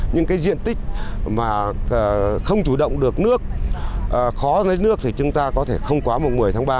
những cái diện tích mà không chủ động được nước khó lấy nước thì chúng ta có thể không quá mùng một mươi tháng ba